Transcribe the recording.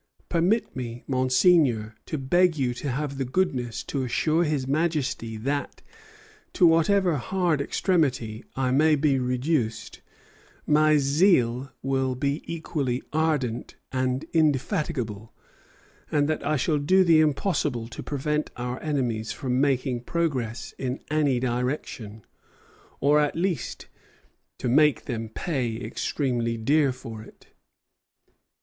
Permit me, Monseigneur, to beg you to have the goodness to assure His Majesty that, to whatever hard extremity I may be reduced, my zeal will be equally ardent and indefatigable, and that I shall do the impossible to prevent our enemies from making progress in any direction, or, at least, to make them pay extremely dear for it."